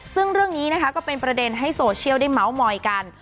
ซึ่งเรื่องนี้นะคะก็เป็นประเด็นให้โซเชียลได้เม้ามอยกัน